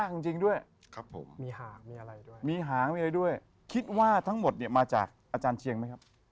คิดว่าทั้งหมดเนี่ยมาจากอาจารย์เชียงไหมครับ